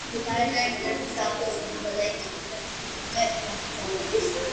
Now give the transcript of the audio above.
დარეჯანი პეტერბურგში აღესრულა და იქვე დაკრძალეს.